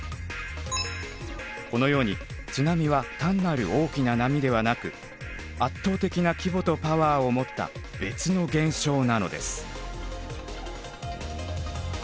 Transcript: このように津波は単なる「大きな波」ではなく圧倒的な規模とパワーを持った「別の現象」なのです。